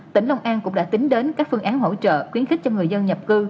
tỉnh long an cũng đã tính đến các phương án hỗ trợ khuyến khích cho người dân nhập cư